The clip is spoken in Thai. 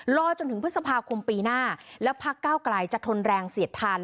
รอจนถึงพฤษภาคมปีหน้าแล้วพักเก้าไกลจะทนแรงเสียดทาน